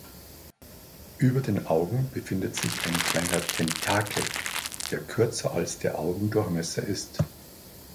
Über den Augen befindet sich ein kleiner Tentakel, der kürzer als der Augendurchmesser ist.